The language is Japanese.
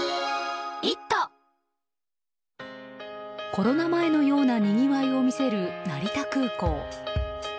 コロナ前のようなにぎわいを見せる成田空港。